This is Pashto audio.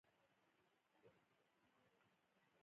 زه د ښوونکي په خوږه ژبه وغولېدم.